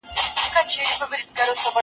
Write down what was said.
زه له سهاره سبزیجات جمع کوم!.